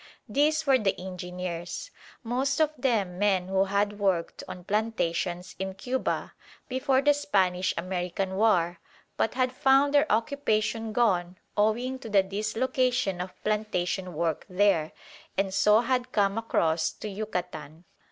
These were the engineers; most of them men who had worked on plantations in Cuba before the Spanish American War but had found their occupation gone owing to the dislocation of plantation work there, and so had come across to Yucatan.